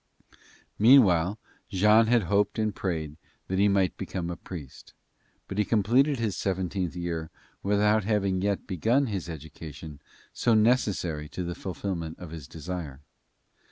Meanwhile Jean had hoped and prayed that he might become a priest, but he completed his seventeenth year without having yet begun his education so necessary to the fulfillment of his desire.